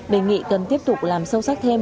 bình nghị cần tiếp tục làm sâu sắc thêm